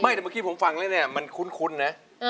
ถ้าเมื่อกี้ผมฟังมันคุ้นนะ